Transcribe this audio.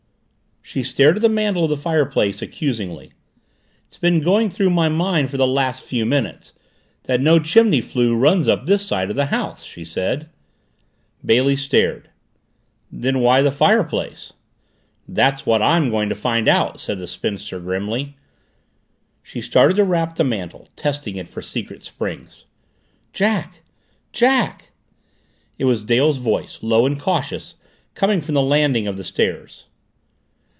She stared at the mantel of the fireplace accusingly. "It's been going through my mind for the last few minutes that no chimney flue runs up this side of the house!" she said. Bailey stared. "Then why the fireplace?" "That's what I'm going to find out!" said the spinster grimly. She started to rap the mantel, testing it for secret springs. "Jack! Jack!" It was Dale's voice, low and cautious, coming from the landing of the stairs.